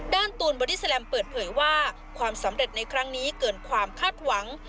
ตูนบอดี้แลมเปิดเผยว่าความสำเร็จในครั้งนี้เกินความคาดหวัง